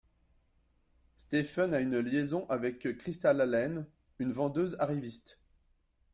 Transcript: Stephen a une liaison avec Crystal Allen, une vendeuse arriviste.